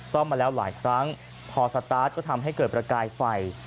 มาแล้วหลายครั้งพอสตาร์ทก็ทำให้เกิดประกายไฟ